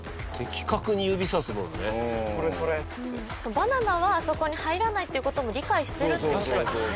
秋元：バナナはあそこに入らないっていう事も理解してるって事ですもんね。